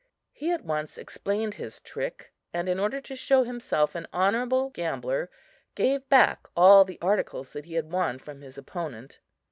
He at once explained his trick; and in order to show himself an honorable gambler, gave back all the articles that he had won from his opponent.